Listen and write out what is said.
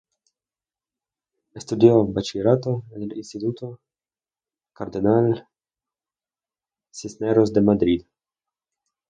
Estudió bachillerato en el Instituto Cardenal Cisneros de Madrid.